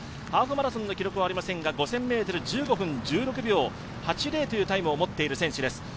ハーフマラソンの記録はありませんが１００００ｍ１５分１８秒８０のタイムを持っています。